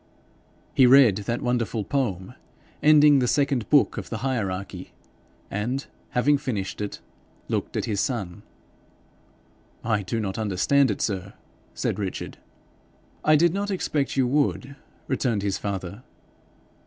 He read that wonderful poem ending the second Book of the Hierarchy, and having finished it looked at his son. 'I do not understand it, sir,' said Richard. 'I did not expect you would,' returned his father.